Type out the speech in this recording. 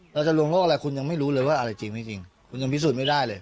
เราจะลวงโลกอะไรคุณยังไม่รู้เลยว่าอะไรจริงไม่จริงคุณยังพิสูจน์ไม่ได้เลย